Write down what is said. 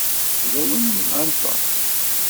Yella win i yenɣa Tom.